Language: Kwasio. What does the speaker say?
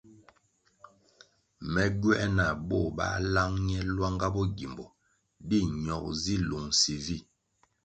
Me gywē nah bo bā lang ne lwanga bo gimbo di ñogo zi lungsi vi.